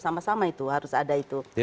sama sama itu harus ada itu